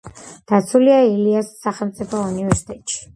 დაცულია ილიას სახელმწიფო უნივერსიტეტში.